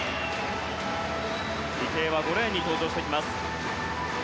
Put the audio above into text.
池江は５レーンに登場します。